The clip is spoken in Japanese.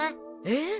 えっ？